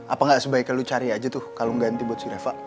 apa gak sebaiknya lo cari aja tuh kalung ganti buat si reva